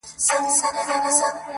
غنم ووېشه پر دواړو جوالونو!.